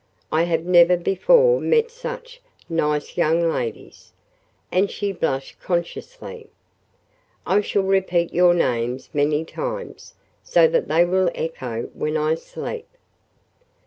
"I have never before met such nice young ladies," and she blushed consciously. "I shall repeat your names many times so that they will echo when I sleep."